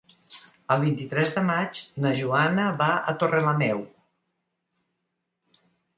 El vint-i-tres de maig na Joana va a Torrelameu.